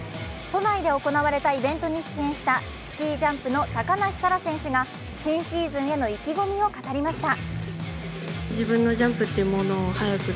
都内で行われたイベントに出演したスキージャンプの高梨沙羅選手が新シーズンへの意気込みを語りました。